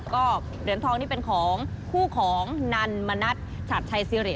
ก็เหรียญทองนี่เป็นของคู่ของนันมณัฐฉัดชัยซิริ